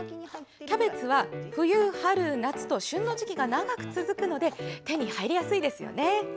キャベツは冬、春、夏と旬の時期が長く続くので手に入りやすいですよね。